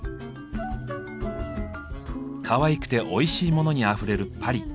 かわいくておいしいモノにあふれるパリ。